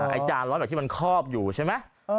ไอ้จานล้อแม็กซ์ที่มันคอบอยู่ใช่มั้ย